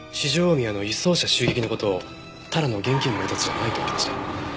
大宮の輸送車襲撃の事をただの現金強奪じゃないと言っていました。